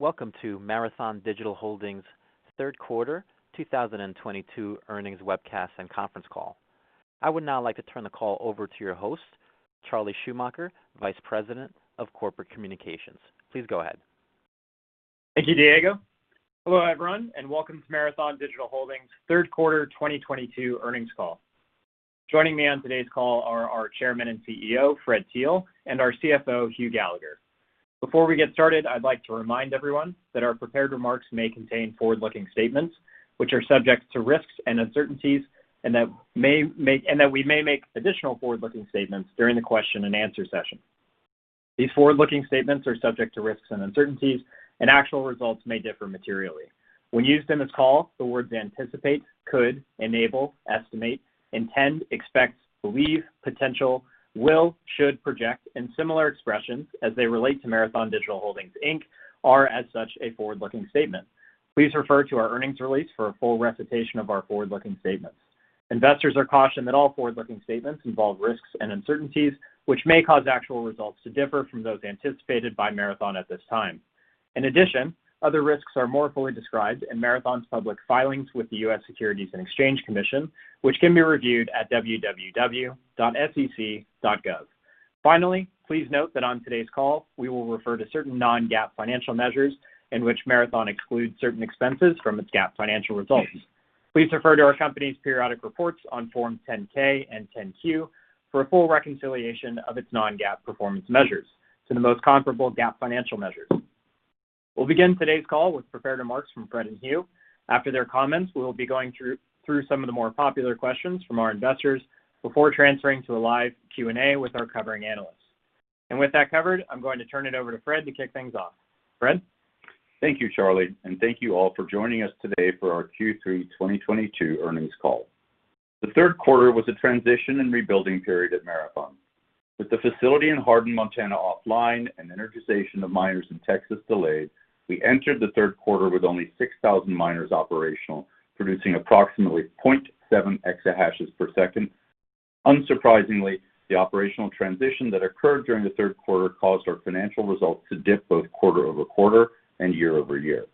Welcome to Marathon Digital Holdings third quarter 2022 earnings webcast and conference call. I would now like to turn the call over to your host, Charlie Schumacher, Vice President of Corporate Communications. Please go ahead. Thank you, Diego. Hello, everyone, and welcome to Marathon Digital Holdings third quarter 2022 earnings call. Joining me on today's call are our Chairman and CEO, Fred Thiel, and our CFO, Hugh Gallagher. Before we get started, I'd like to remind everyone that our prepared remarks may contain forward-looking statements which are subject to risks and uncertainties, and that we may make additional forward-looking statements during the question and answer session. These forward-looking statements are subject to risks and uncertainties, and actual results may differ materially. When used in this call, the words anticipate, could, enable, estimate, intend, expect, believe, potential, will, should, project, and similar expressions as they relate to Marathon Digital Holdings, Inc. are as such a forward-looking statement. Please refer to our earnings release for a full recitation of our forward-looking statements. Investors are cautioned that all forward-looking statements involve risks and uncertainties, which may cause actual results to differ from those anticipated by Marathon at this time. In addition, other risks are more fully described in Marathon's public filings with the U.S. Securities and Exchange Commission, which can be reviewed at www.sec.gov. Finally, please note that on today's call, we will refer to certain non-GAAP financial measures in which Marathon excludes certain expenses from its GAAP financial results. Please refer to our company's periodic reports on Form 10-K and 10-Q for a full reconciliation of its non-GAAP performance measures to the most comparable GAAP financial measures. We'll begin today's call with prepared remarks from Fred and Hugh. After their comments, we will be going through some of the more popular questions from our investors before transferring to a live Q&A with our covering analysts. With that covered, I'm going to turn it over to Fred to kick things off. Fred. Thank you, Charlie, and thank you all for joining us today for our Q3 2022 earnings call. The third quarter was a transition and rebuilding period at Marathon. With the facility in Hardin, Montana offline and energization of miners in Texas delayed, we entered the third quarter with only 6,000 miners operational, producing approximately 0.7 exahashes per second. Unsurprisingly, the operational transition that occurred during the third quarter caused our financial results to dip both quarter-over-quarter and year-over-year.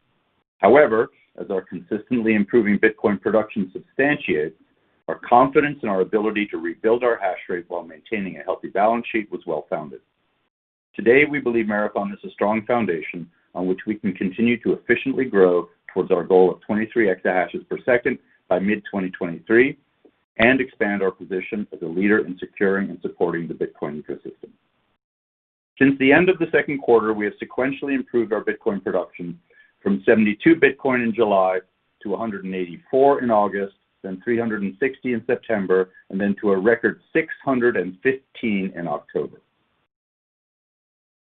However, as our consistently improving Bitcoin production substantiate, our confidence in our ability to rebuild our hash rate while maintaining a healthy balance sheet was well-founded. Today, we believe Marathon has a strong foundation on which we can continue to efficiently grow towards our goal of 23 exahashes per second by mid-2023 and expand our position as a leader in securing and supporting the Bitcoin ecosystem. Since the end of the second quarter, we have sequentially improved our Bitcoin production from 72 Bitcoin in July to 184 in August, then 360 in September, and then to a record 615 in October.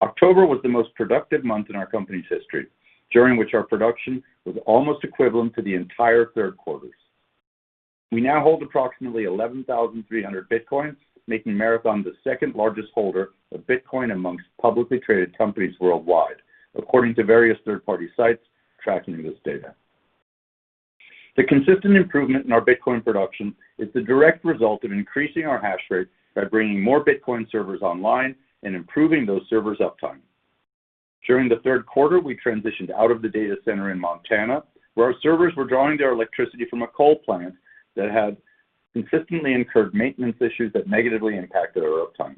October was the most productive month in our company's history, during which our production was almost equivalent to the entire third quarter's. We now hold approximately 11,300 Bitcoins, making Marathon the second-largest holder of Bitcoin among publicly traded companies worldwide, according to various third-party sites tracking this data. The consistent improvement in our Bitcoin production is the direct result of increasing our hash rate by bringing more Bitcoin servers online and improving those servers' uptime. During the third quarter, we transitioned out of the data center in Montana, where our servers were drawing their electricity from a coal plant that had consistently incurred maintenance issues that negatively impacted our uptime.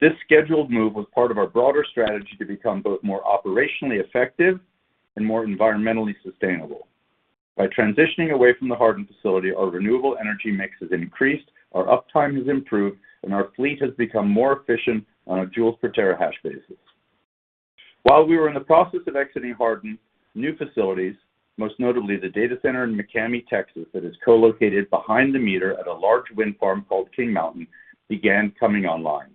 This scheduled move was part of our broader strategy to become both more operationally effective and more environmentally sustainable. By transitioning away from the Hardin facility, our renewable energy mix has increased, our uptime has improved, and our fleet has become more efficient on a joules per terahash basis. While we were in the process of exiting Hardin, new facilities, most notably the data center in McCamey, Texas, that is co-located behind the meter at a large wind farm called King Mountain, began coming online.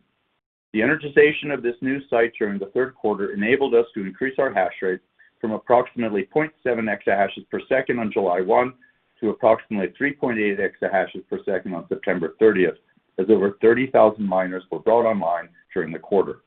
The energization of this new site during the third quarter enabled us to increase our hash rate from approximately 0.7 exahashes per second on July 1 to approximately 3.8 exahashes per second on September 30, as over 30,000 miners were brought online during the quarter.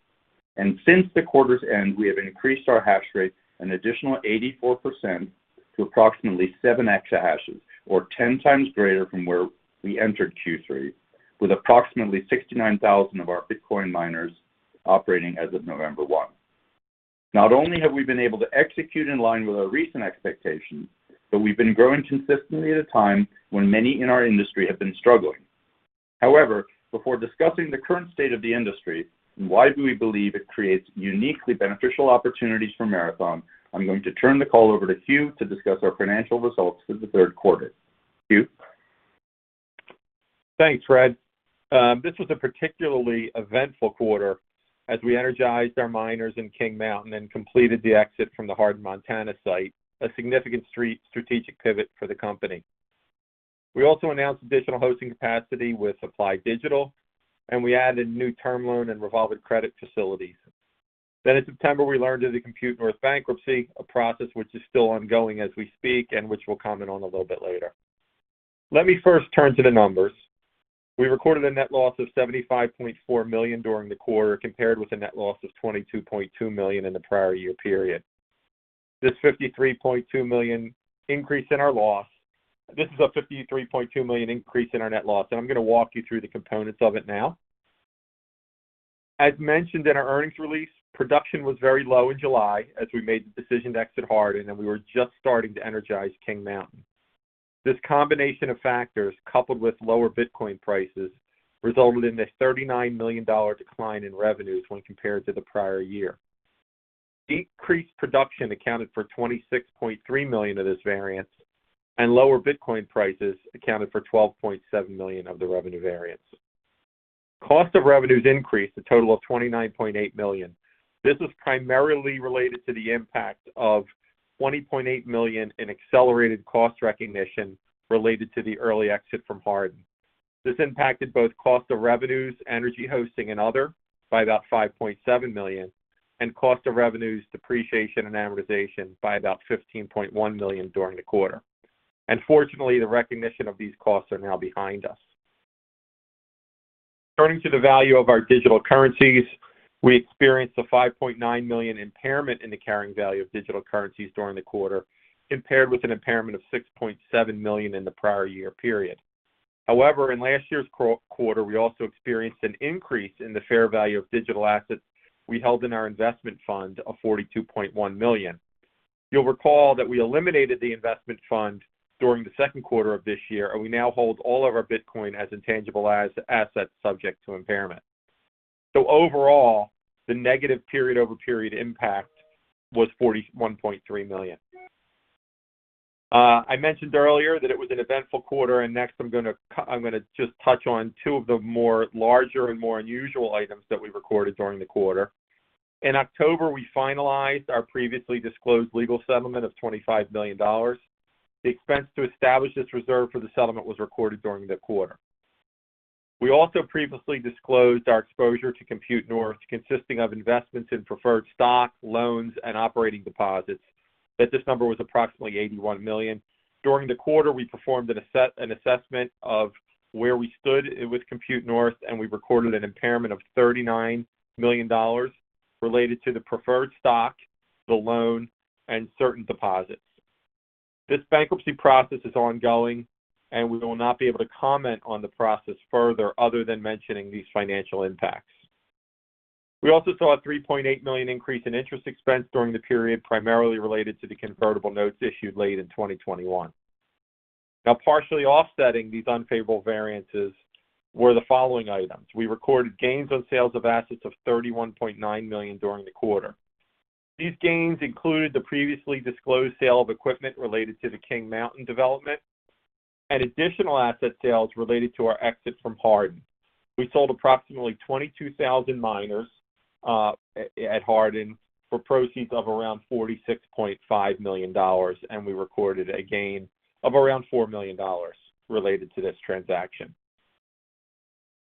Since the quarter's end, we have increased our hash rate an additional 84% to approximately 7 exahashes or 10 times greater from where we entered Q3, with approximately 69,000 of our Bitcoin miners operating as of November one. Not only have we been able to execute in line with our recent expectations, but we've been growing consistently at a time when many in our industry have been struggling. However, before discussing the current state of the industry and why do we believe it creates uniquely beneficial opportunities for Marathon, I'm going to turn the call over to Hugh to discuss our financial results for the third quarter. Hugh. Thanks, Fred. This was a particularly eventful quarter as we energized our miners in King Mountain and completed the exit from the Hardin, Montana site, a significant strategic pivot for the company. We also announced additional hosting capacity with Applied Digital, and we added new term loan and revolving credit facilities. In September, we learned of the Compute North bankruptcy, a process which is still ongoing as we speak and which we'll comment on a little bit later. Let me first turn to the numbers. We recorded a net loss of $75.4 million during the quarter compared with a net loss of $22.2 million in the prior year period. This $53.2 million increase in our loss... This is a $53.2 million increase in our net loss, and I'm going to walk you through the components of it now. As mentioned in our earnings release, production was very low in July as we made the decision to exit Hardin, and we were just starting to energize King Mountain. This combination of factors, coupled with lower Bitcoin prices, resulted in a $39 million decline in revenues when compared to the prior year. Decreased production accounted for $26.3 million of this variance, and lower Bitcoin prices accounted for $12.7 million of the revenue variance. Cost of revenues increased a total of $29.8 million. This was primarily related to the impact of $20.8 million in accelerated cost recognition related to the early exit from Hardin. This impacted both cost of revenues, energy hosting and other by about $5.7 million, and cost of revenues, depreciation and amortization by about $15.1 million during the quarter. Fortunately, the recognition of these costs are now behind us. Turning to the value of our digital currencies, we experienced a $5.9 million impairment in the carrying value of digital currencies during the quarter, compared with an impairment of $6.7 million in the prior year period. However, in last year's quarter, we also experienced an increase in the fair value of digital assets we held in our investment fund of $42.1 million. You'll recall that we eliminated the investment fund during the second quarter of this year, and we now hold all of our Bitcoin as intangible assets subject to impairment. Overall, the negative period-over-period impact was $41.3 million. I mentioned earlier that it was an eventful quarter, and next I'm gonna just touch on two of the more larger and more unusual items that we recorded during the quarter. In October, we finalized our previously disclosed legal settlement of $25 million. The expense to establish this reserve for the settlement was recorded during the quarter. We also previously disclosed our exposure to Compute North, consisting of investments in preferred stock, loans, and operating deposits, that this number was approximately $81 million. During the quarter, we performed an assessment of where we stood with Compute North, and we recorded an impairment of $39 million related to the preferred stock, the loan, and certain deposits. This bankruptcy process is ongoing, and we will not be able to comment on the process further other than mentioning these financial impacts. We also saw a $3.8 million increase in interest expense during the period, primarily related to the convertible notes issued late in 2021. Now, partially offsetting these unfavorable variances were the following items. We recorded gains on sales of assets of $31.9 million during the quarter. These gains included the previously disclosed sale of equipment related to the King Mountain development and additional asset sales related to our exit from Hardin. We sold approximately 22,000 miners at Hardin for proceeds of around $46.5 million, and we recorded a gain of around $4 million related to this transaction.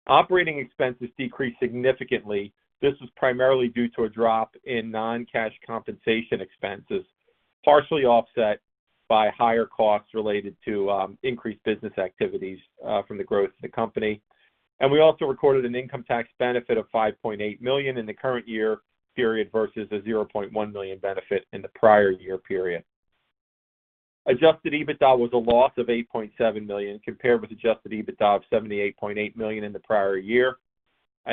Operating expenses decreased significantly. This was primarily due to a drop in non-cash compensation expenses, partially offset by higher costs related to increased business activities from the growth of the company. We also recorded an income tax benefit of $5.8 million in the current year period versus a $0.1 million benefit in the prior year period. Adjusted EBITDA was a loss of $8.7 million compared with adjusted EBITDA of $78.8 million in the prior year.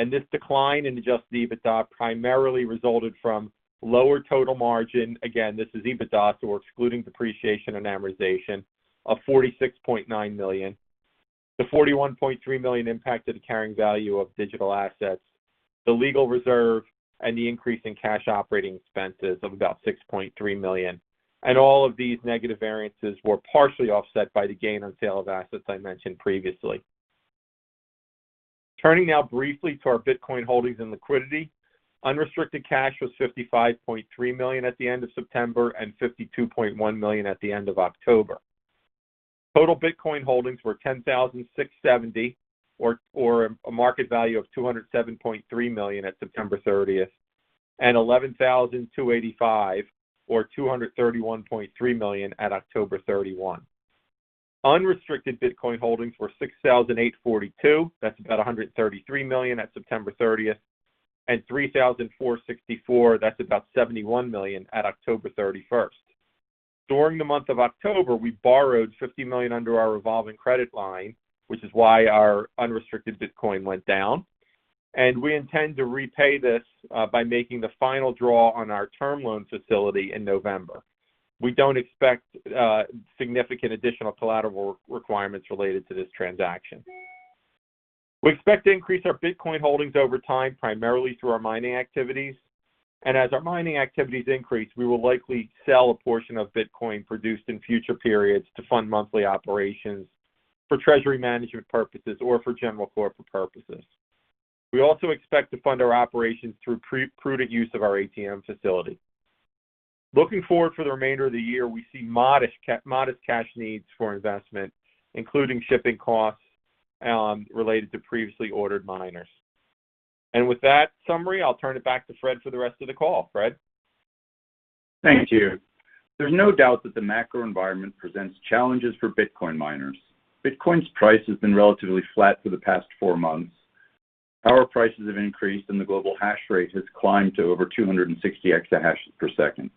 This decline in adjusted EBITDA primarily resulted from lower total margin. Again, this is EBITDA, so we're excluding depreciation and amortization of $46.9 million. The $41.3 million impact to the carrying value of digital assets, the legal reserve, and the increase in cash operating expenses of about $6.3 million. All of these negative variances were partially offset by the gain on sale of assets I mentioned previously. Turning now briefly to our Bitcoin holdings and liquidity. Unrestricted cash was $55.3 million at the end of September and $52.1 million at the end of October. Total Bitcoin holdings were 10,670 or a market value of $207.3 million at September 13th, and 11,285 or $231.3 million at October thirty-one. Unrestricted Bitcoin holdings were 6,842, that's about $133 million at September thirtieth, and 3,464, that's about $71 million at October 31st. During the month of October, we borrowed $50 million under our revolving credit line, which is why our unrestricted Bitcoin went down, and we intend to repay this by making the final draw on our term loan facility in November. We don't expect significant additional collateral requirements related to this transaction. We expect to increase our Bitcoin holdings over time, primarily through our mining activities. As our mining activities increase, we will likely sell a portion of Bitcoin produced in future periods to fund monthly operations for treasury management purposes or for general corporate purposes. We also expect to fund our operations through prudent use of our ATM facility. Looking forward for the remainder of the year, we see modest cash needs for investment, including shipping costs related to previously ordered miners. With that summary, I'll turn it back to Fred for the rest of the call. Fred? Thank you. There's no doubt that the macro environment presents challenges for Bitcoin miners. Bitcoin's price has been relatively flat for the past four months. Power prices have increased, and the global hash rate has climbed to over 260 exahashes per second.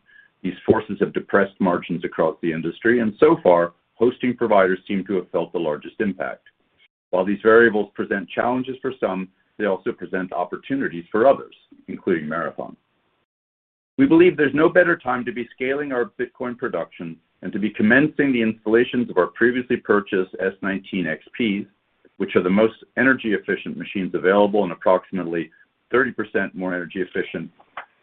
These forces have depressed margins across the industry, and so far, hosting providers seem to have felt the largest impact. While these variables present challenges for some, they also present opportunities for others, including Marathon. We believe there's no better time to be scaling our Bitcoin production and to be commencing the installations of our previously purchased S19 XPs, which are the most energy-efficient machines available and approximately 30% more energy efficient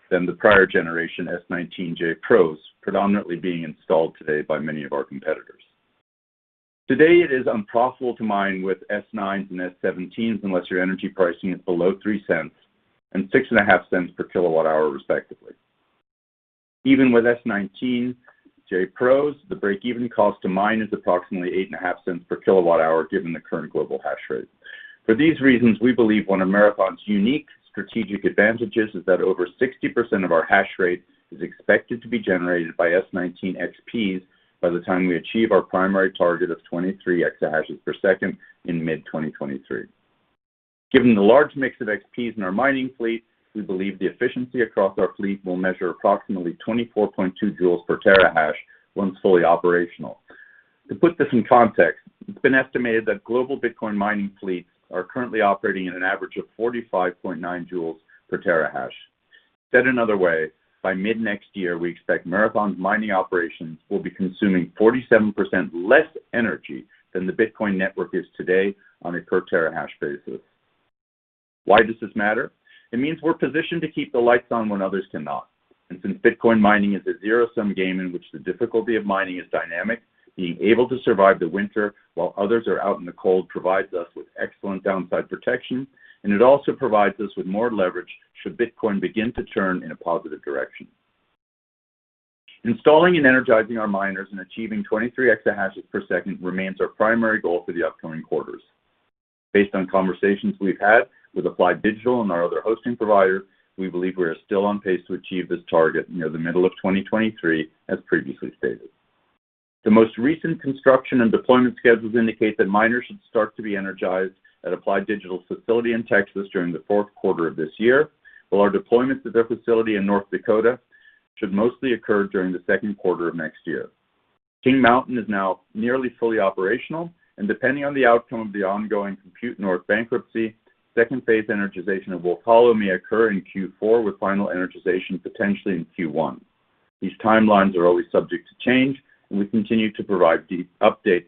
than the prior generation S19j Pros predominantly being installed today by many of our competitors. Today, it is unprofitable to mine with S9s and S17s unless your energy pricing is below $0.03 and $0.065 per kWh, respectively. Even with S19j Pros, the break-even cost to mine is approximately $0.085 per kWh, given the current global hash rate. For these reasons, we believe one of Marathon's unique strategic advantages is that over 60% of our hash rate is expected to be generated by S19 XPs by the time we achieve our primary target of 23 exahashes per second in mid-2023. Given the large mix of XPs in our mining fleet, we believe the efficiency across our fleet will measure approximately 24.2 joules per terahash once fully operational. To put this in context, it's been estimated that global Bitcoin mining fleets are currently operating at an average of 45.9 joules per terahash. Said another way, by mid-next year, we expect Marathon's mining operations will be consuming 47% less energy than the Bitcoin network is today on a per terahash basis. Why does this matter? It means we're positioned to keep the lights on when others cannot. Since Bitcoin mining is a zero-sum game in which the difficulty of mining is dynamic, being able to survive the winter while others are out in the cold provides us with excellent downside protection, and it also provides us with more leverage should Bitcoin begin to turn in a positive direction. Installing and energizing our miners and achieving 23 exahashes per second remains our primary goal for the upcoming quarters. Based on conversations we've had with Applied Digital and our other hosting provider, we believe we are still on pace to achieve this target near the middle of 2023, as previously stated. The most recent construction and deployment schedules indicate that miners should start to be energized at Applied Digital's facility in Texas during the fourth quarter of this year, while our deployments at their facility in North Dakota should mostly occur during the second quarter of next year. King Mountain is now nearly fully operational, and depending on the outcome of the ongoing Compute North bankruptcy, second-phase energization of Wakulla may occur in Q4, with final energization potentially in Q1. These timelines are always subject to change, and we continue to provide the updates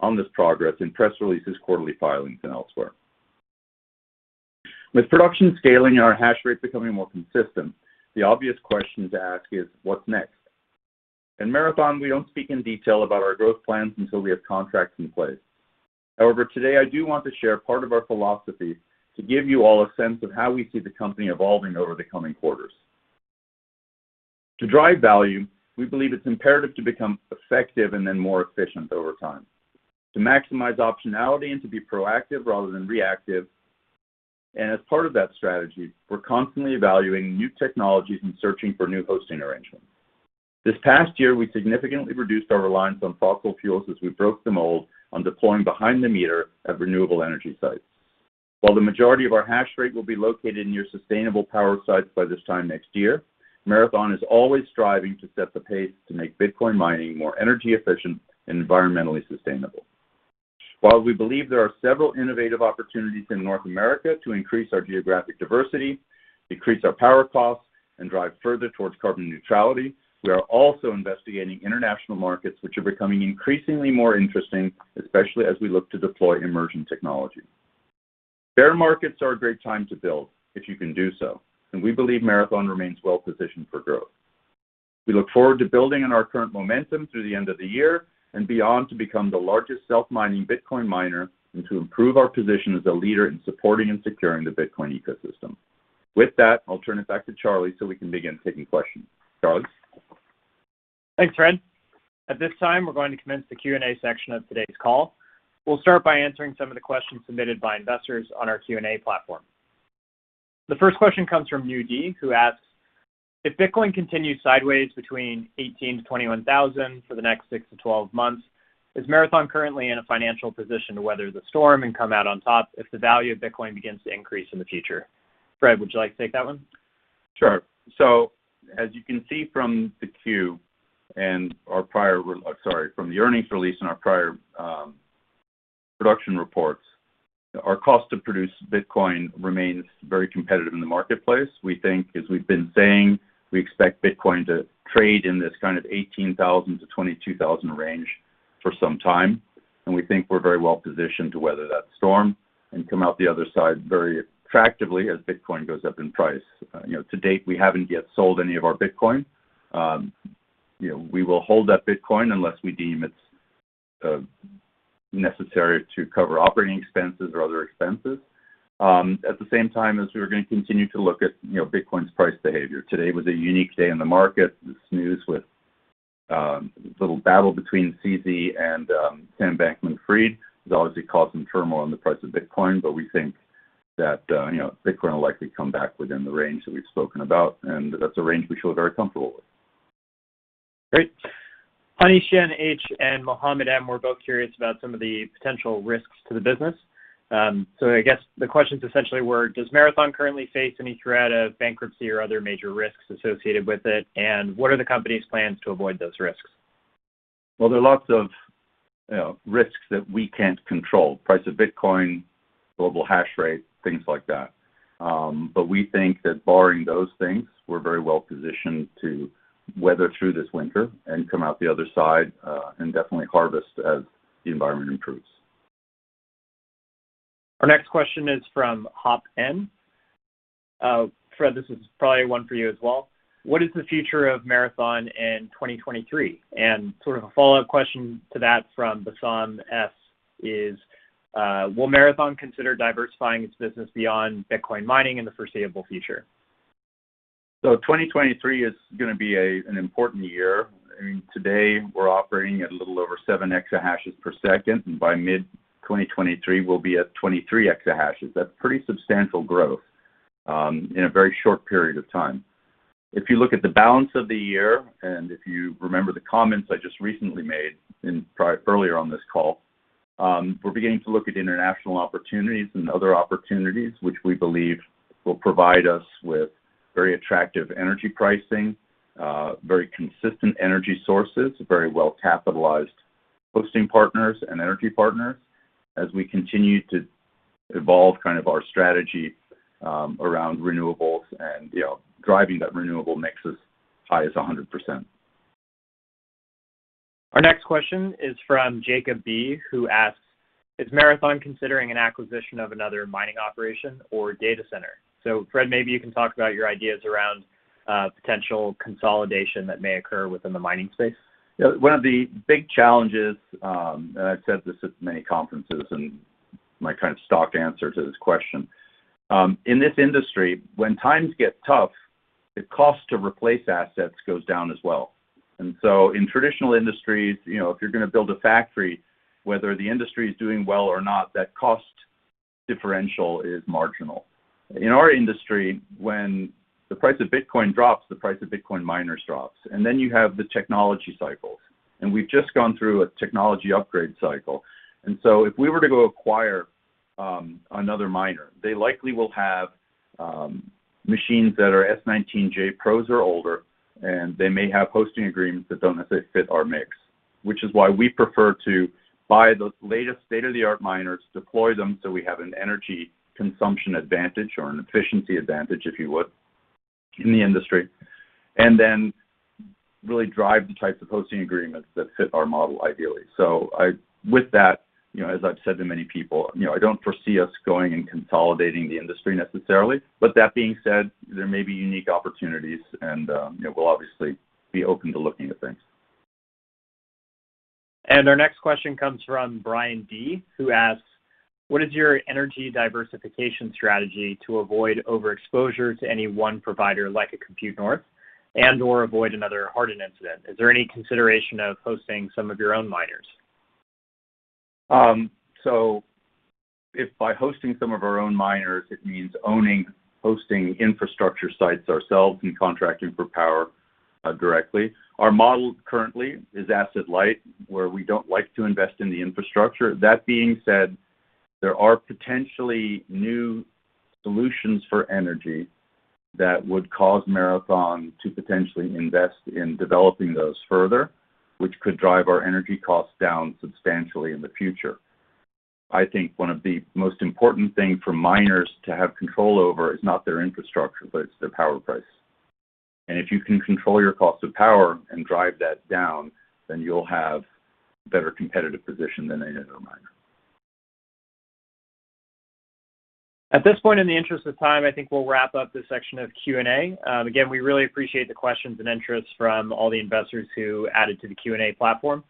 on this progress in press releases, quarterly filings, and elsewhere. With production scaling and our hash rates becoming more consistent, the obvious question to ask is what's next? In Marathon, we don't speak in detail about our growth plans until we have contracts in place. However, today I do want to share part of our philosophy to give you all a sense of how we see the company evolving over the coming quarters. To drive value, we believe it's imperative to become effective and then more efficient over time, to maximize optionality and to be proactive rather than reactive. As part of that strategy, we're constantly evaluating new technologies and searching for new hosting arrangements. This past year, we significantly reduced our reliance on fossil fuels as we broke the mold on deploying behind the meter at renewable energy sites. While the majority of our hash rate will be located near sustainable power sites by this time next year, Marathon is always striving to set the pace to make Bitcoin mining more energy efficient and environmentally sustainable. While we believe there are several innovative opportunities in North America to increase our geographic diversity, decrease our power costs, and drive further towards carbon neutrality, we are also investigating international markets which are becoming increasingly more interesting, especially as we look to deploy immersion technology. Bear markets are a great time to build if you can do so, and we believe Marathon remains well-positioned for growth. We look forward to building on our current momentum through the end of the year and beyond to become the largest self-mining Bitcoin miner and to improve our position as a leader in supporting and securing the Bitcoin ecosystem. With that, I'll turn it back to Charlie so we can begin taking questions. Charlie? Thanks, Fred. At this time, we're going to commence the Q&A section of today's call. We'll start by answering some of the questions submitted by investors on our Q&A platform. The first question comes from Yu Di, who asks, "If Bitcoin continues sideways between $18,000-$21,000 for the next 6-12 months, is Marathon currently in a financial position to weather the storm and come out on top if the value of Bitcoin begins to increase in the future?" Fred, would you like to take that one? Sure. As you can see from the earnings release in our prior production reports, our cost to produce Bitcoin remains very competitive in the marketplace. We think, as we've been saying, we expect Bitcoin to trade in this kind of $18,000-$22,000 range for some time, and we think we're very well positioned to weather that storm and come out the other side very attractively as Bitcoin goes up in price. You know, to date, we haven't yet sold any of our Bitcoin. You know, we will hold that Bitcoin unless we deem it's necessary to cover operating expenses or other expenses. At the same time, as we were gonna continue to look at, you know, Bitcoin's price behavior. Today was a unique day in the market. This news with this little battle between CZ and Sam Bankman-Fried has obviously caused some turmoil on the price of Bitcoin, but we think that, you know, Bitcoin will likely come back within the range that we've spoken about, and that's a range we feel very comfortable with. Great. Hanish H. and Mohammed M. were both curious about some of the potential risks to the business. I guess the questions essentially were, does Marathon currently face any threat of bankruptcy or other major risks associated with it? What are the company's plans to avoid those risks? Well, there are lots of, you know, risks that we can't control. Price of Bitcoin, global hash rate, things like that. We think that barring those things, we're very well positioned to weather through this winter and come out the other side, and definitely harvest as the environment improves. Our next question is from Hop N. Fred, this is probably one for you as well. What is the future of Marathon in 2023? Sort of a follow-up question to that from Bassam S. is, will Marathon consider diversifying its business beyond Bitcoin mining in the foreseeable future? 2023 is gonna be an important year. I mean, today we're operating at a little over 7 exahashes per second, and by mid-2023, we'll be at 23 exahashes. That's pretty substantial growth in a very short period of time. If you look at the balance of the year, and if you remember the comments I just recently made probably earlier on this call, we're beginning to look at international opportunities and other opportunities which we believe will provide us with very attractive energy pricing, very consistent energy sources, very well-capitalized hosting partners and energy partners as we continue to evolve kind of our strategy around renewables and, you know, driving that renewable mix as high as 100%. Our next question is from Jacob B., who asks, "Is Marathon considering an acquisition of another mining operation or data center?" Fred, maybe you can talk about your ideas around potential consolidation that may occur within the mining space. Yeah. One of the big challenges, and I've said this at many conferences, and my kind of stock answer to this question, in this industry, when times get tough, the cost to replace assets goes down as well. In traditional industries, you know, if you're gonna build a factory, whether the industry is doing well or not, that cost differential is marginal. In our industry, when the price of Bitcoin drops, the price of Bitcoin miners drops. You have the technology cycles, and we've just gone through a technology upgrade cycle. If we were to go acquire another miner, they likely will have machines that are S19J Pros or older, and they may have hosting agreements that don't necessarily fit our mix. Which is why we prefer to buy those latest state-of-the-art miners, deploy them, so we have an energy consumption advantage or an efficiency advantage, if you would, in the industry. Really drive the types of hosting agreements that fit our model ideally. With that, you know, as I've said to many people, you know, I don't foresee us going and consolidating the industry necessarily. That being said, there may be unique opportunities and, you know, we'll obviously be open to looking at things. Our next question comes from Brian D., who asks, "What is your energy diversification strategy to avoid overexposure to any one provider like a Compute North and/or avoid another Hardin incident? Is there any consideration of hosting some of your own miners? If by hosting some of our own miners, it means owning hosting infrastructure sites ourselves and contracting for power directly. Our model currently is asset light, where we don't like to invest in the infrastructure. That being said, there are potentially new solutions for energy that would cause Marathon to potentially invest in developing those further, which could drive our energy costs down substantially in the future. I think one of the most important thing for miners to have control over is not their infrastructure, but it's their power price. If you can control your cost of power and drive that down, then you'll have better competitive position than any other miner. At this point, in the interest of time, I think we'll wrap up this section of Q&A. Again, we really appreciate the questions and interest from all the investors who added to the Q&A platform.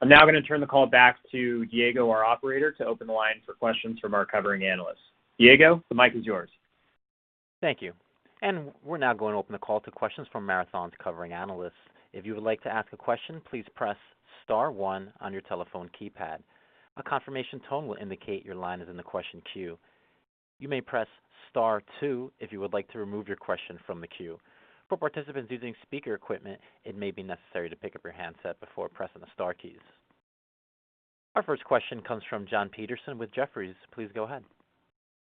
I'm now gonna turn the call back to Diego, our operator, to open the line for questions from our covering analysts. Diego, the mic is yours. Thank you. We're now going to open the call to questions from Marathon's covering analysts. If you would like to ask a question, please press star one on your telephone keypad. A confirmation tone will indicate your line is in the question queue. You may press star two if you would like to remove your question from the queue. For participants using speaker equipment, it may be necessary to pick up your handset before pressing the star keys. Our first question comes from Jonathan Petersen with Jefferies. Please go ahead.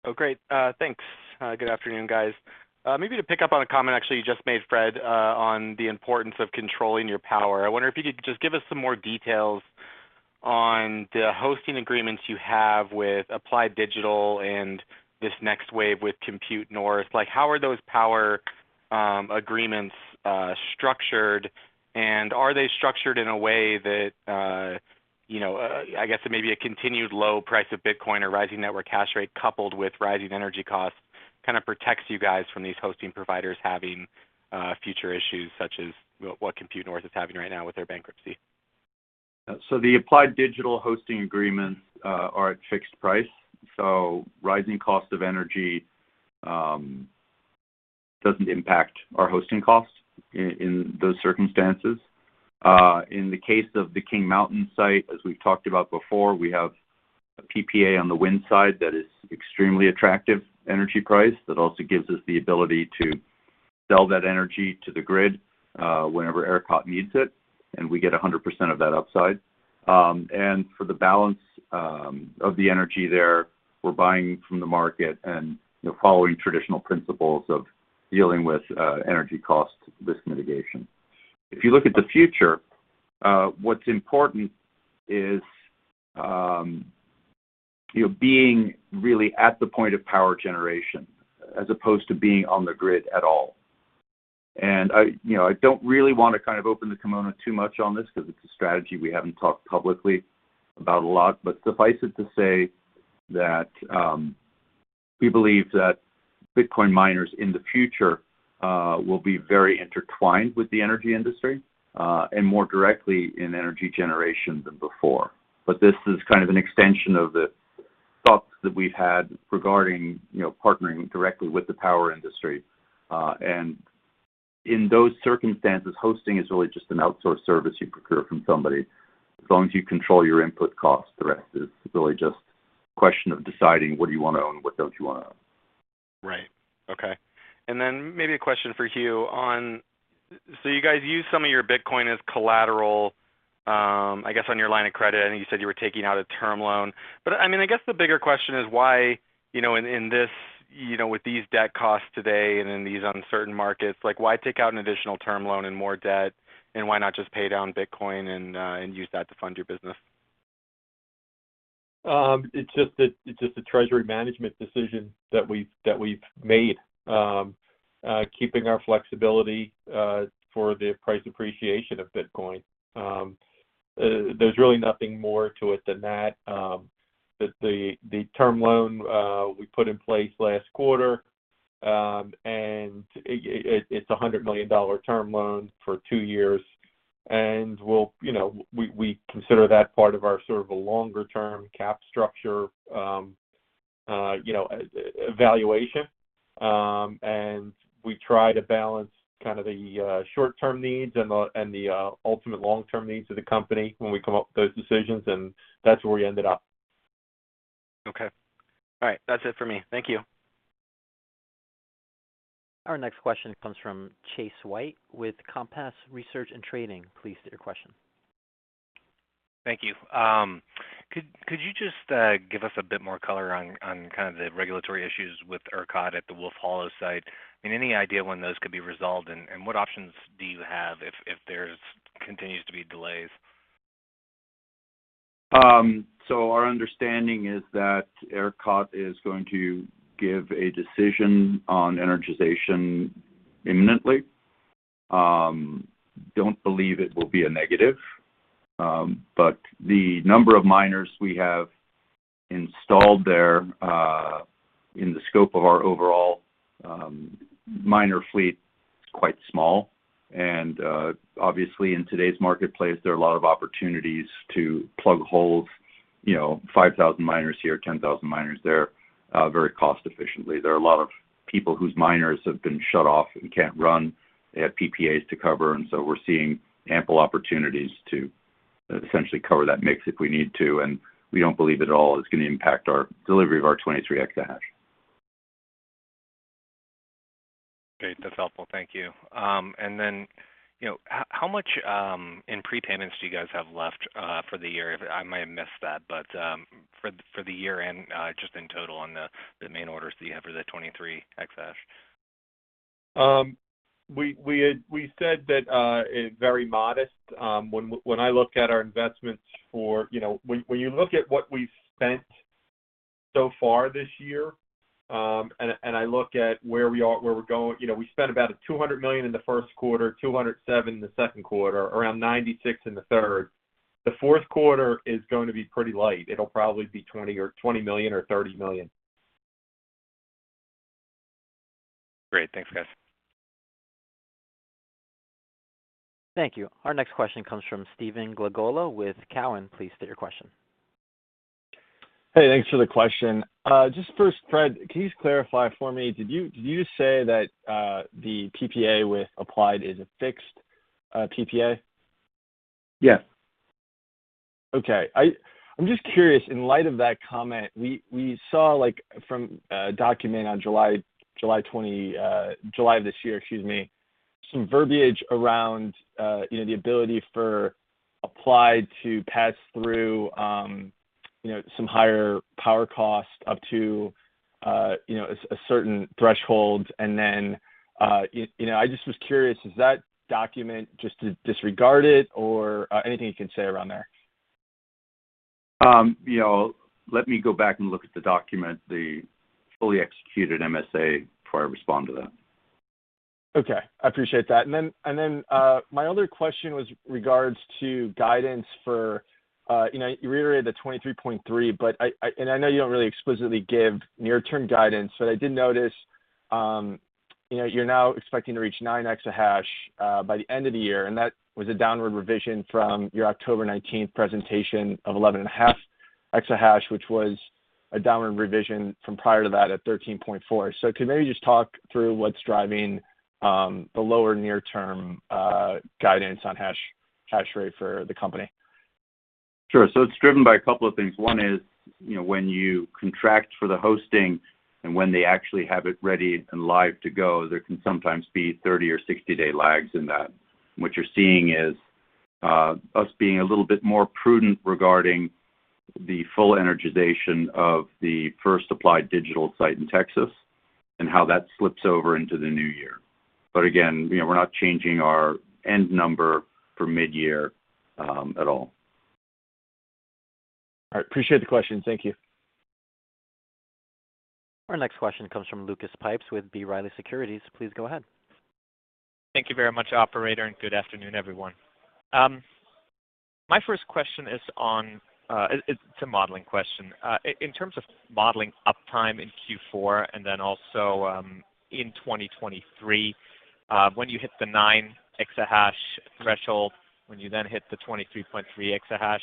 Oh, great. Thanks. Good afternoon, guys. Maybe to pick up on a comment actually you just made, Fred, on the importance of controlling your power. I wonder if you could just give us some more details on the hosting agreements you have with Applied Digital and this next wave with Compute North. Like, how are those power agreements structured, and are they structured in a way that, you know, I guess maybe a continued low price of Bitcoin or rising network hash rate coupled with rising energy costs kind of protects you guys from these hosting providers having future issues such as what Compute North is having right now with their bankruptcy? The Applied Digital hosting agreements are at fixed price, so rising cost of energy doesn't impact our hosting costs in those circumstances. In the case of the King Mountain site, as we've talked about before, we have a PPA on the wind side that is extremely attractive energy price that also gives us the ability to sell that energy to the grid, whenever ERCOT needs it, and we get 100% of that upside. For the balance of the energy there, we're buying from the market and, you know, following traditional principles of dealing with energy cost risk mitigation. If you look at the future, what's important is, you know, being really at the point of power generation as opposed to being on the grid at all. I, you know, I don't really wanna kind of open the kimono too much on this 'cause it's a strategy we haven't talked publicly about a lot. Suffice it to say that we believe that Bitcoin miners in the future will be very intertwined with the energy industry and more directly in energy generation than before. This is kind of an extension of the thoughts that we've had regarding, you know, partnering directly with the power industry. In those circumstances, hosting is really just an outsourced service you procure from somebody. As long as you control your input costs, the rest is really just question of deciding what do you wanna own, what don't you wanna own. Right. Okay. Maybe a question for Hugh. You guys use some of your Bitcoin as collateral, I guess, on your line of credit, and you said you were taking out a term loan. I mean, I guess the bigger question is why, you know, in this, you know, with these debt costs today and in these uncertain markets, like why take out an additional term loan and more debt, and why not just pay down Bitcoin and use that to fund your business? It's just a treasury management decision that we've made, keeping our flexibility for the price appreciation of Bitcoin. There's really nothing more to it than that. The term loan we put in place last quarter, and it's a $100 million term loan for 2 years. We, you know, consider that part of our sort of longer-term capital structure evaluation. We try to balance kind of the short-term needs and the ultimate long-term needs of the company when we come up with those decisions, and that's where we ended up. Okay. All right. That's it for me. Thank you. Our next question comes from Chase White with Compass Point Research & Trading. Please state your question. Thank you. Could you just give us a bit more color on kind of the regulatory issues with ERCOT at the Wolf Hollow site? Any idea when those could be resolved, and what options do you have if there's continued to be delays? Our understanding is that ERCOT is going to give a decision on energization imminently. Don't believe it will be a negative, but the number of miners we have installed there, in the scope of our overall miner fleet is quite small. Obviously in today's marketplace, there are a lot of opportunities to plug holes, you know, 5,000 miners here, 10,000 miners there, very cost-effectively. There are a lot of people whose miners have been shut off and can't run. They have PPAs to cover, and so we're seeing ample opportunities to essentially cover that mix if we need to, and we don't believe at all it's gonna impact our delivery of our 23 exahash. Great. That's helpful. Thank you. Then, you know, how much in prepayments do you guys have left for the year? I might have missed that, but for the year-end just in total on the main orders that you have for the 23 exahash. We said that it very modest. When I look at our investments. You know, when you look at what we've spent so far this year, and I look at where we are, where we're going, you know, we spent about $200 million in the first quarter, $207 million in the second quarter, around $96 million in the third. The fourth quarter is going to be pretty light. It'll probably be $20 million or $30 million. Great. Thanks, guys. Thank you. Our next question comes from Stephen Glagola with Cowen. Please state your question. Hey. Thanks for the question. Just first, Fred, can you just clarify for me, did you say that the PPA with Applied is a fixed PPA? Yes. Okay. I'm just curious, in light of that comment, we saw, like, from a document on July of this year, excuse me, some verbiage around, you know, the ability for Applied to pass through, you know, some higher power costs up to, you know, a certain threshold. You know, I just was curious, is that document just to disregard it or, anything you can say around there? You know, let me go back and look at the document, the fully executed MSA, before I respond to that. Okay. I appreciate that. My other question was regards to guidance for, you know, you reiterated the 23.3, but I know you don't really explicitly give near-term guidance, but I did notice, you know, you're now expecting to reach 9 exahash by the end of the year, and that was a downward revision from your October 19 presentation of 11.5 exahash, which was a downward revision from prior to that at 13.4. Could you maybe just talk through what's driving the lower near-term guidance on hash rate for the company? Sure. It's driven by a couple of things. One is, you know, when you contract for the hosting and when they actually have it ready and live to go, there can sometimes be 30 or 60-day lags in that. What you're seeing is us being a little bit more prudent regarding the full energization of the first Applied Digital site in Texas and how that slips over into the new year. But again, you know, we're not changing our end number for midyear at all. All right. Appreciate the question. Thank you. Our next question comes from Lucas Pipes with B. Riley Securities. Please go ahead. Thank you very much, operator, and good afternoon, everyone. My first question is on it. It's a modeling question. In terms of modeling uptime in Q4 and then also in 2023, when you hit the 9 exahash threshold, when you then hit the 23.3 exahash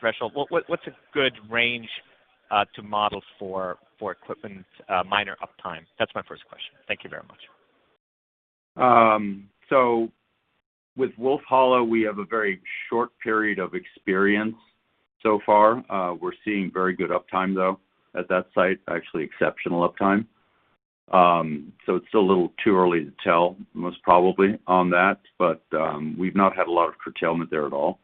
threshold, what's a good range to model for equipment miner uptime? That's my first question. Thank you very much. With Wolf Hollow, we have a very short period of experience so far. We're seeing very good uptime, though, at that site, actually exceptional uptime. It's a little too early to tell, most probably, on that. We've not had a lot of curtailment there at all,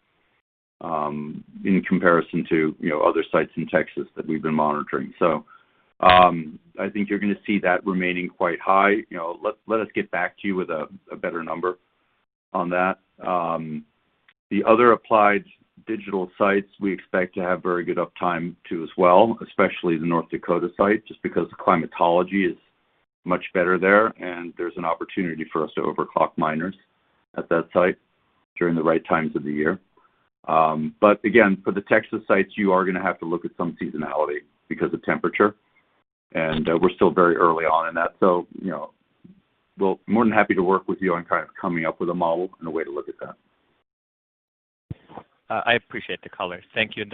in comparison to, you know, other sites in Texas that we've been monitoring. I think you're gonna see that remaining quite high. You know, let us get back to you with a better number on that. The other Applied Digital sites we expect to have very good uptime too as well, especially the North Dakota site, just because the climatology is much better there, and there's an opportunity for us to overclock miners at that site during the right times of the year. Again, for the Texas sites, you are gonna have to look at some seasonality because of temperature, and we're still very early on in that. You know, we're more than happy to work with you on kind of coming up with a model and a way to look at that. I appreciate the color. Thank you.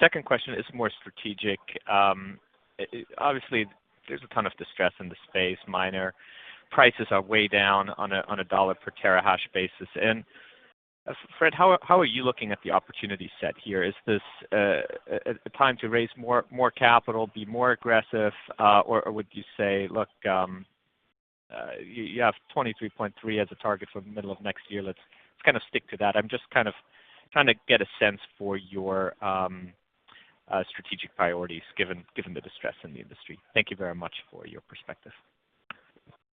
Second question is more strategic. Obviously, there's a ton of distress in the space. Miner prices are way down on a $ per terahash basis. Fred, how are you looking at the opportunity set here? Is this a time to raise more capital, be more aggressive, or would you say, look, you have 23.3 as a target for the middle of next year, let's kind of stick to that? I'm just kind of trying to get a sense for your strategic priorities given the distress in the industry. Thank you very much for your perspective.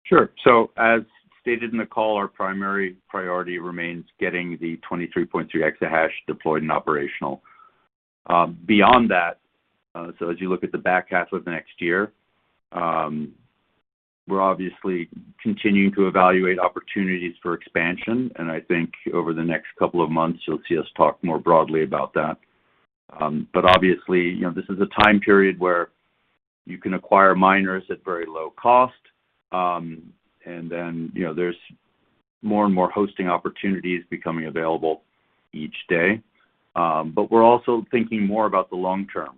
Sure. As stated in the call, our primary priority remains getting the 23.3 exahash deployed and operational. Beyond that, as you look at the back half of next year, we're obviously continuing to evaluate opportunities for expansion, and I think over the next couple of months, you'll see us talk more broadly about that. Obviously, you know, this is a time period where you can acquire miners at very low cost, and then, you know, there's more and more hosting opportunities becoming available each day. We're also thinking more about the long term.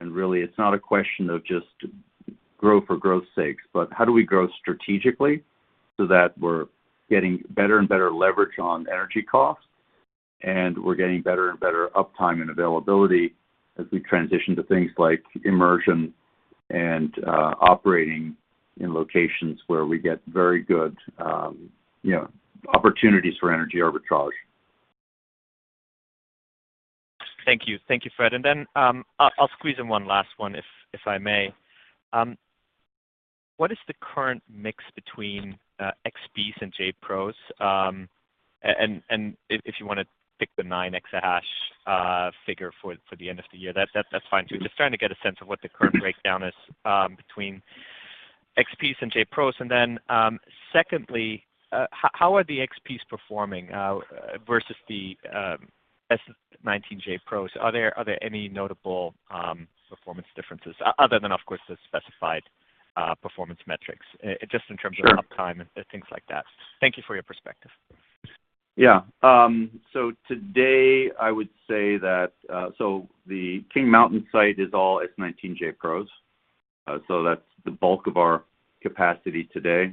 Really, it's not a question of just growth for growth's sake, but how do we grow strategically so that we're getting better and better leverage on energy costs, and we're getting better and better uptime and availability as we transition to things like immersion and operating in locations where we get very good, you know, opportunities for energy arbitrage. Thank you. Thank you, Fred. I'll squeeze in one last one if I may. What is the current mix between XPs and JPROs? And if you wanna pick the 9 exahash figure for the end of the year, that's fine too. Just trying to get a sense of what the current breakdown is between XPs and JPROs. Secondly, how are the XPs performing versus the S19 JPROs? Are there any notable performance differences other than, of course, the specified performance metrics just in terms of uptime and things like that? Thank you for your perspective. Yeah. Today, I would say that the King Mountain site is all S19j Pros. That's the bulk of our capacity today.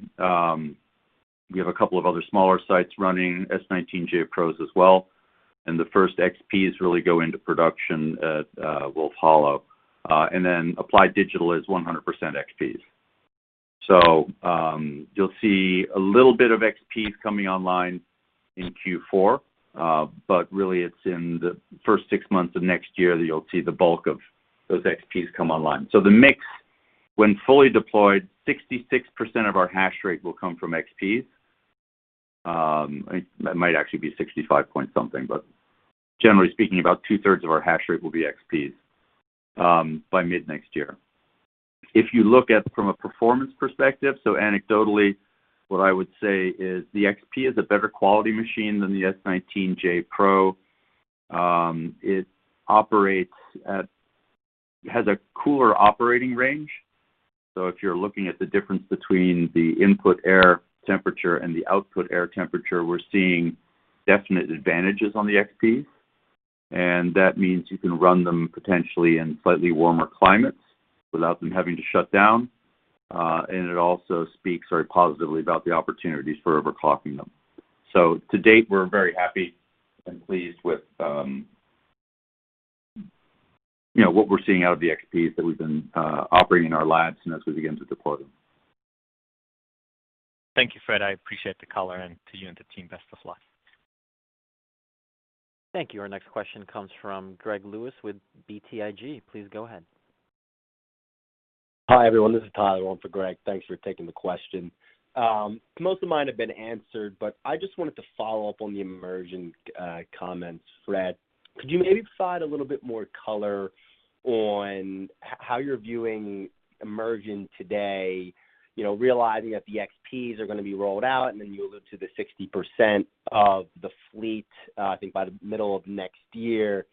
We have a couple of other smaller sites running S19j Pros as well, and the first XPs really go into production at Wolf Hollow. And then Applied Digital is 100% XPs. You'll see a little bit of XPs coming online in Q4, but really it's in the first six months of next year that you'll see the bulk of those XPs come online. The mix, when fully deployed, 66% of our hash rate will come from XPs. It might actually be 65 point something%, but generally speaking, about two-thirds of our hash rate will be XPs by mid next year. If you look at it from a performance perspective, anecdotally, what I would say is the XP is a better quality machine than the S19j Pro. It has a cooler operating range. If you're looking at the difference between the input air temperature and the output air temperature, we're seeing definite advantages on the XPs. That means you can run them potentially in slightly warmer climates without them having to shut down. It also speaks very positively about the opportunities for overclocking them. To date, we're very happy and pleased with you know what we're seeing out of the XPs that we've been operating in our labs and as we begin to deploy them. Thank you, Fred. I appreciate the color, and to you and the team, best of luck. Thank you. Our next question comes from Greg Lewis with BTIG. Please go ahead. Hi, everyone. This is Todd on for Greg. Thanks for taking the question. Most of mine have been answered, but I just wanted to follow up on the immersion comments, Fred. Could you maybe provide a little bit more color on how you're viewing immersion today, you know, realizing that the XPs are gonna be rolled out, and then you allude to the 60% of the fleet, I think by the middle of next year.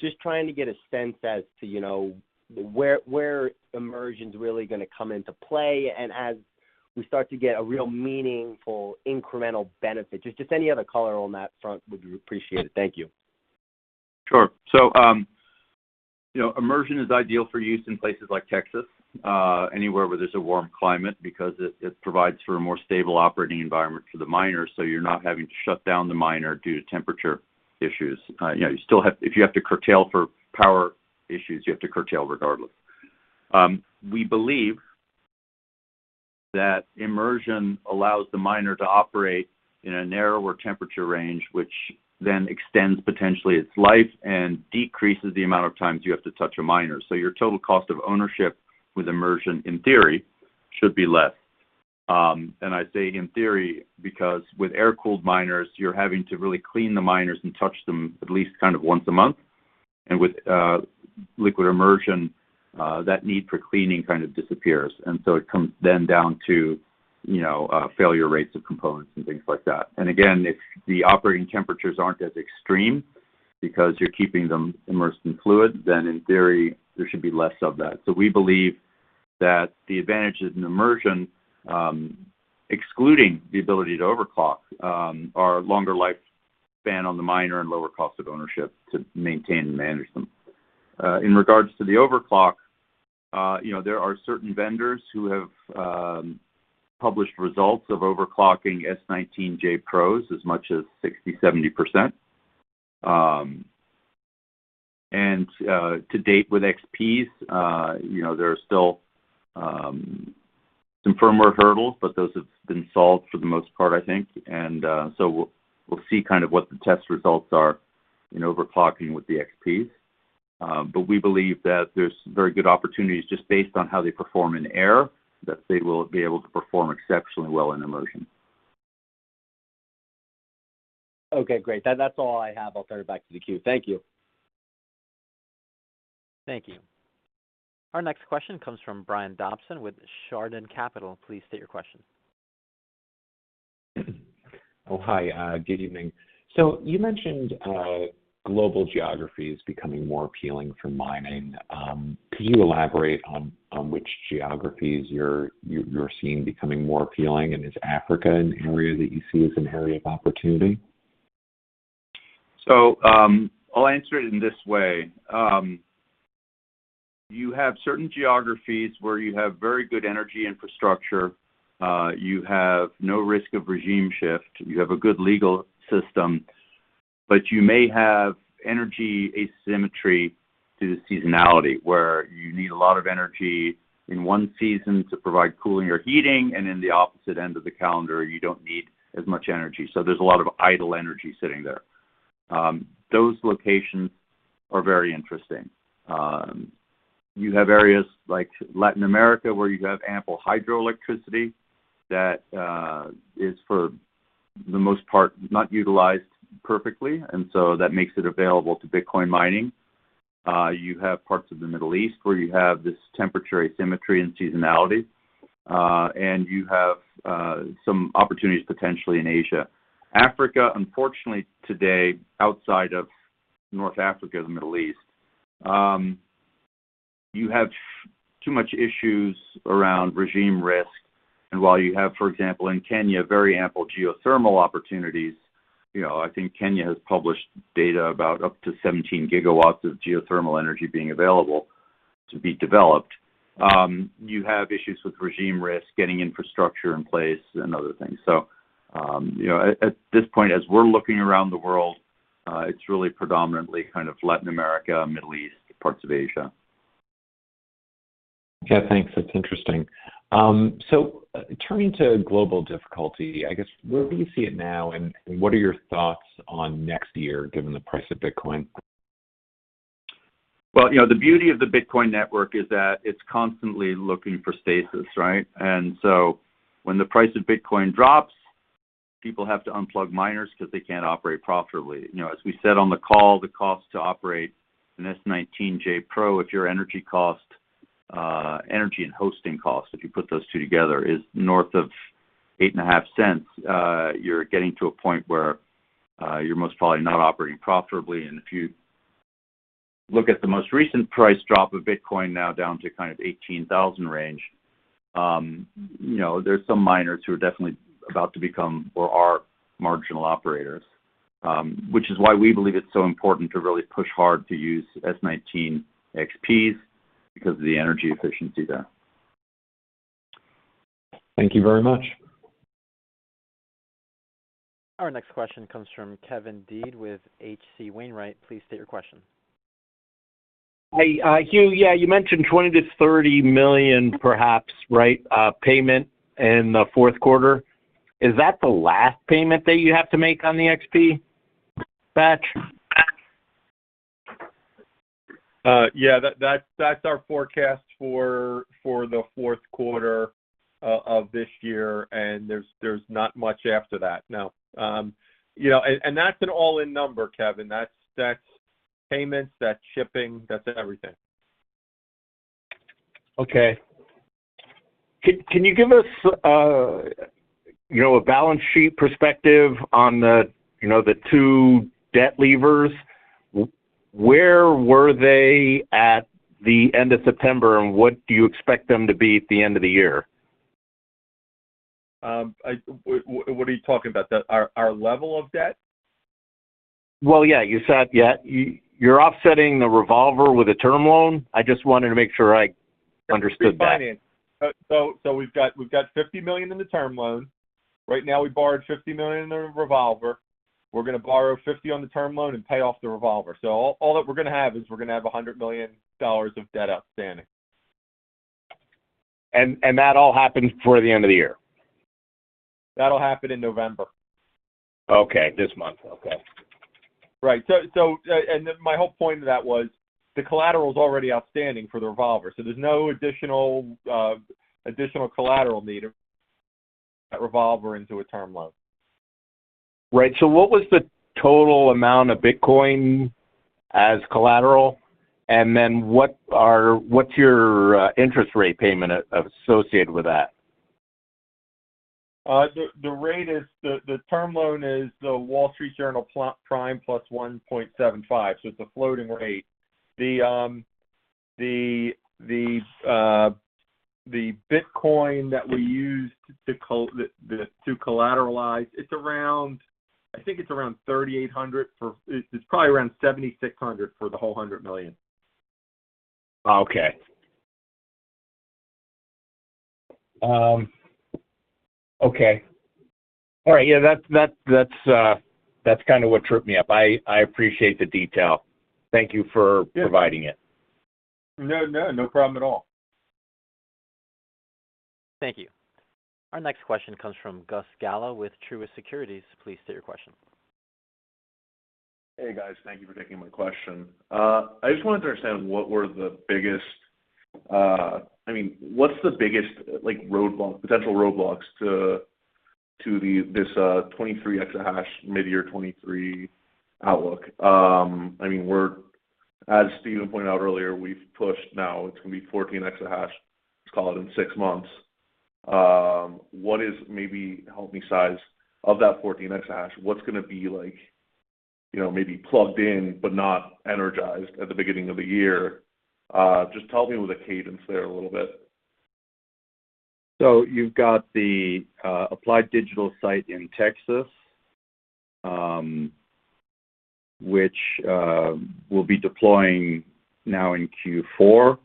Just trying to get a sense as to, you know, where immersion's really gonna come into play, and as we start to get a real meaningful incremental benefit. Just any other color on that front would be appreciated. Thank you. Sure. You know, immersion is ideal for use in places like Texas, anywhere where there's a warm climate because it provides for a more stable operating environment for the miners, so you're not having to shut down the miner due to temperature issues. You know, if you have to curtail for power issues, you have to curtail regardless. We believe that immersion allows the miner to operate in a narrower temperature range, which then extends potentially its life and decreases the amount of times you have to touch a miner. Your total cost of ownership with immersion, in theory, should be less. I say in theory, because with air-cooled miners, you're having to really clean the miners and touch them at least kind of once a month. With liquid immersion, that need for cleaning kind of disappears. It comes then down to, you know, failure rates of components and things like that. Again, if the operating temperatures aren't as extreme because you're keeping them immersed in fluid, then in theory, there should be less of that. We believe that the advantages in immersion, excluding the ability to overclock, are longer lifespan on the miner and lower cost of ownership to maintain and manage them. In regards to the overclock, you know, there are certain vendors who have published results of overclocking S19j Pros as much as 60%-70%. To date with XPs, you know, there are still some firmware hurdles, but those have been solved for the most part, I think. We'll see kind of what the test results are in overclocking with the XPs. We believe that there's very good opportunities just based on how they perform in air, that they will be able to perform exceptionally well in immersion. Okay, great. That's all I have. I'll turn it back to the queue. Thank you. Thank you. Our next question comes from Brian Dobson with Chardan Capital. Please state your question. Oh, hi. Good evening. You mentioned global geographies becoming more appealing for mining. Could you elaborate on which geographies you're seeing becoming more appealing, and is Africa an area that you see as an area of opportunity? I'll answer it in this way. You have certain geographies where you have very good energy infrastructure, you have no risk of regime shift, you have a good legal system, but you may have energy asymmetry due to seasonality, where you need a lot of energy in one season to provide cooling or heating, and in the opposite end of the calendar, you don't need as much energy. There's a lot of idle energy sitting there. Those locations are very interesting. You have areas like Latin America, where you have ample hydroelectricity that is for the most part not utilized perfectly, and so that makes it available to Bitcoin mining. You have parts of the Middle East, where you have this temperature asymmetry and seasonality, and you have some opportunities potentially in Asia. Africa, unfortunately today, outside of North Africa, the Middle East, you have too much issues around regime risk. While you have, for example, in Kenya, very ample geothermal opportunities, you know, I think Kenya has published data about up to 17 GW of geothermal energy being available to be developed. You have issues with regime risk, getting infrastructure in place and other things. You know, at this point, as we're looking around the world, it's really predominantly kind of Latin America, Middle East, parts of Asia. Yeah, thanks. That's interesting. Turning to global difficulty, I guess, where do you see it now and what are your thoughts on next year, given the price of Bitcoin? Well, you know, the beauty of the Bitcoin network is that it's constantly looking for stasis, right? When the price of Bitcoin drops, people have to unplug miners because they can't operate profitably. You know, as we said on the call, the cost to operate an S19j Pro, if your energy cost, energy and hosting costs, if you put those two together, is north of $0.085, you're getting to a point where, you're most probably not operating profitably. If you look at the most recent price drop of Bitcoin now down to kind of $18,000 range. You know, there's some miners who are definitely about to become or are marginal operators, which is why we believe it's so important to really push hard to use S19 XPs because of the energy efficiency there. Thank you very much. Our next question comes from Kevin Dede with H.C. Wainwright. Please state your question. Hey, Hugh. Yeah, you mentioned $20 million-$30 million perhaps, right, payment in the fourth quarter. Is that the last payment that you have to make on the XP batch? That's our forecast for the fourth quarter of this year, and there's not much after that, no. You know, that's an all-in number, Kevin. That's payments, that's shipping, that's everything. Okay. Can you give us, you know, a balance sheet perspective on the, you know, the two debt levers? Where were they at the end of September, and what do you expect them to be at the end of the year? What are you talking about? Our level of debt? Well, yeah. You said. Yeah, you're offsetting the revolver with a term loan. I just wanted to make sure I understood that. Refinance. We've got $50 million in the term loan. Right now we borrowed $50 million in the revolver. We're gonna borrow $50 million on the term loan and pay off the revolver. All that we're gonna have is $100 million of debt outstanding. That all happens before the end of the year? That'll happen in November. Okay. This month. Okay. Right. My whole point to that was the collateral's already outstanding for the revolver, so there's no additional collateral needed to turn that revolver into a term loan. Right. What was the total amount of Bitcoin as collateral? Then what's your interest rate payment associated with that? The term loan is the Wall Street Journal Prime plus 1.75, so it's a floating rate. The Bitcoin that we used to collateralize, I think it's around $3,800. It's probably around 7,600 for the whole $100 million. Okay. Okay. All right. Yeah. That's kinda what tripped me up. I appreciate the detail. Thank you for- Yeah. Providing it. No, no. No problem at all. Thank you. Our next question comes from Gus Galá with Truist Securities. Please state your question. Hey, guys. Thank you for taking my question. I just wanted to understand. I mean, what's the biggest, like, roadblock, potential roadblocks to this 23 exahash, midyear 2023 outlook. I mean, as Stephen pointed out earlier, we've pushed. Now it's gonna be 14 exahash, let's call it, in six months. What is, maybe, help me size of that 14 exahash. What's gonna be like, you know, maybe plugged in but not energized at the beginning of the year? Just help me with the cadence there a little bit. You've got the Applied Digital site in Texas, which we'll be deploying now in Q4.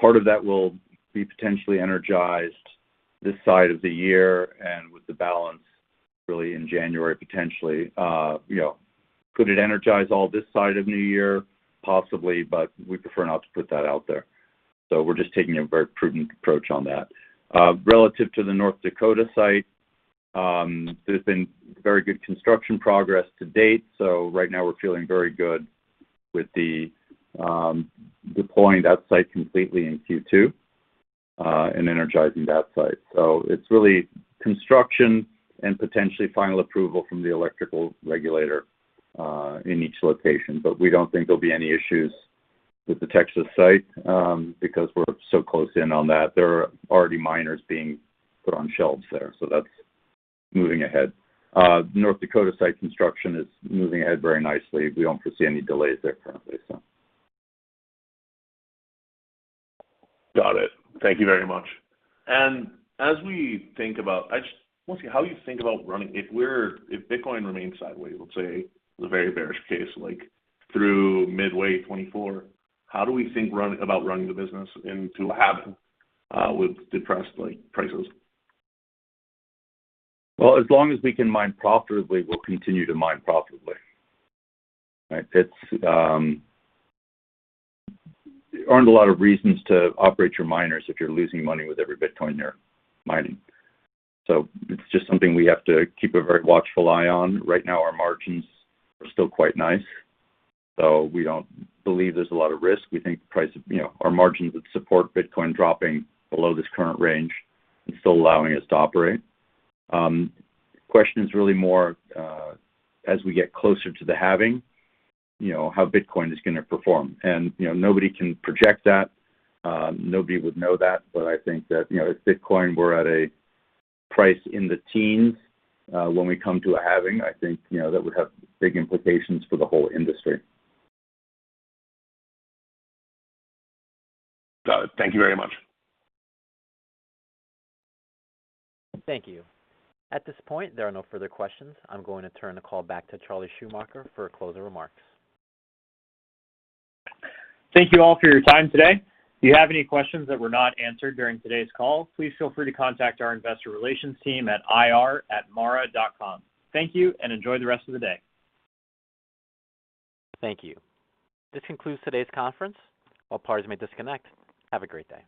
Part of that will be potentially energized this side of the year and with the balance really in January, potentially. You know, could it energize all this side of new year? Possibly, but we prefer not to put that out there. We're just taking a very prudent approach on that. Relative to the North Dakota site, there's been very good construction progress to date, so right now we're feeling very good with the deploying that site completely in Q2, and energizing that site. It's really construction and potentially final approval from the electrical regulator in each location. We don't think there'll be any issues with the Texas site, because we're so close in on that. There are already miners being put on shelves there, so that's moving ahead. North Dakota site construction is moving ahead very nicely. We don't foresee any delays there currently, so. Got it. Thank you very much. As we think about, I just wanna see how you think about running. If Bitcoin remains sideways, let's say, the very bearish case, like, through midway 2024, how do we think about running the business into halving, with depressed, like, prices? Well, as long as we can mine profitably, we'll continue to mine profitably. Right? It's. There aren't a lot of reasons to operate your miners if you're losing money with every Bitcoin you're mining. So it's just something we have to keep a very watchful eye on. Right now, our margins are still quite nice, so we don't believe there's a lot of risk. We think price, you know, our margins would support Bitcoin dropping below this current range and still allowing us to operate. Question is really more, as we get closer to the halving, you know, how Bitcoin is gonna perform. You know, nobody can project that. Nobody would know that. I think that, you know, if Bitcoin were at a price in the teens, when we come to a halving, I think, you know, that would have big implications for the whole industry. Got it. Thank you very much. Thank you. At this point, there are no further questions. I'm going to turn the call back to Charlie Schumacher for closing remarks. Thank you all for your time today. If you have any questions that were not answered during today's call, please feel free to contact our investor relations team at ir@mara.com. Thank you, and enjoy the rest of the day. Thank you. This concludes today's conference. All parties may disconnect. Have a great day.